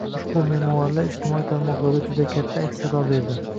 Ushbu memuarlar ijtimoiy tarmoqlarda juda katta aks-sado berdi